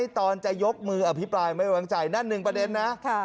ตอนจะยกมืออภิปรายไม่วางใจนั่นหนึ่งประเด็นนะ